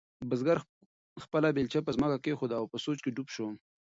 بزګر خپله بیلچه په ځمکه کېښوده او په سوچ کې ډوب شو.